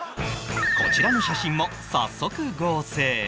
こちらの写真も早速合成！